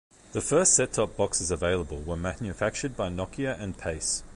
The first set-top boxes available were manufactured by Nokia and Pace.